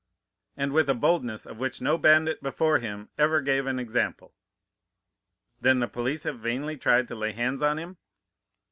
"And with a boldness of which no bandit before him ever gave an example." "Then the police have vainly tried to lay hands on him?"